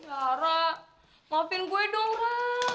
yara maafin gue dong ra